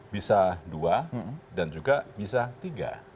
bisa dua dan juga bisa tiga